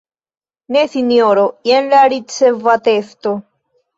Ne Sinjoro, jen la ricevatesto.